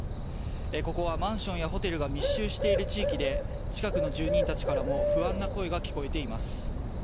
ここはマンションやホテルが密集している地域で近くの住人たちからも不安な声が聞こえています。